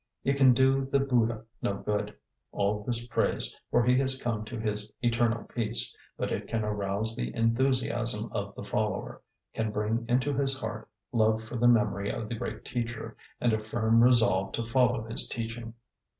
It can do the Buddha no good, all this praise, for he has come to his eternal peace; but it can arouse the enthusiasm of the follower, can bring into his heart love for the memory of the great teacher, and a firm resolve to follow his teaching.